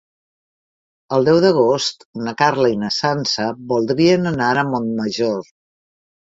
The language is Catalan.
El deu d'agost na Carla i na Sança voldrien anar a Montmajor.